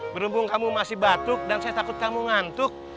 berumbung kamu masih batuk dan saya takut kamu ngantuk